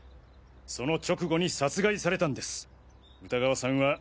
その直後に殺害されたんです歌川さんは。